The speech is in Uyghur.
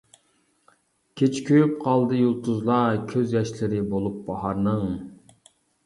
كېچە كۆيۈپ قالدى يۇلتۇزلار كۆز ياشلىرى بولۇپ باھارنىڭ.